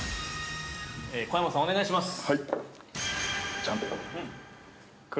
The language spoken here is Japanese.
◆小山さん、お願いします！